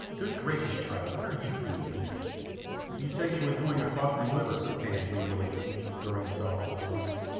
"Good gracious, child, what are you doing here?" "You said you was going acwoss ve wiver," panted Wee Willie Winkie, throwing himself off his pony.